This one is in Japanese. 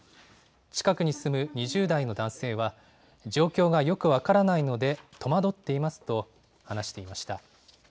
近くに住む２０代の男性は、状況がよく分からないので戸惑っていますと話していました。